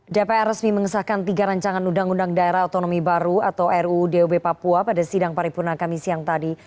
dpr resmi mengesahkan tiga rancangan undang undang daerah otonomi baru atau ruu dob papua pada sidang paripurna kami siang tadi